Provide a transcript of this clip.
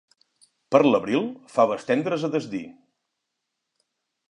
Per l'abril faves tendres a desdir.